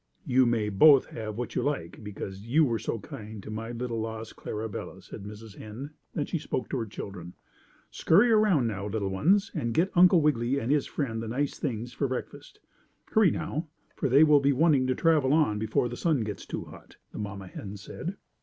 "You may both have what you like, because you were so kind to my little lost Clarabella," said Mrs. Hen. Then she spoke to her children. "Scurry around now, little ones, and get Uncle Wiggily and his friend the nice things for breakfast. Hurry now, for they will be wanting to travel on before the sun gets too hot," the mamma hen said.